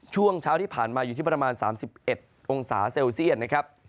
ช่วงเช้าที่ผ่านมาอยู่ที่ประมาณ๓๑องศาเซลเซียตนะครับ